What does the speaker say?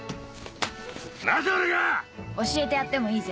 なぜ俺が⁉教えてやってもいいぜ。